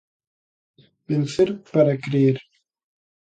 Vencer para crer.